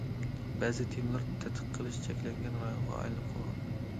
بەزى تېمىلار تەتقىق قىلىش چەكلەنگەن رايونغا ئايلىنىپ قالغان.